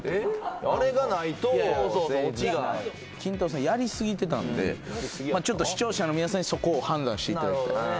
さんやり過ぎてたんでちょっと視聴者の皆さんにそこを判断していただきたい。